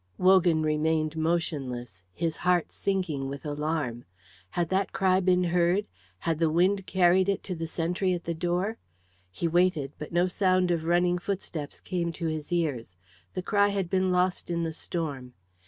Wogan remained motionless, his heart sinking with alarm. Had that cry been heard? Had the wind carried it to the sentry at the door? He waited, but no sound of running footsteps came to his ears; the cry had been lost in the storm.